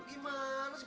ini gimana sih